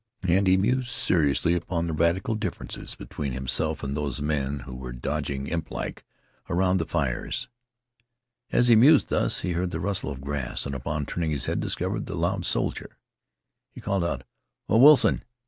And he mused seriously upon the radical differences between himself and those men who were dodging imp like around the fires. As he mused thus he heard the rustle of grass, and, upon turning his head, discovered the loud soldier. He called out, "Oh, Wilson!"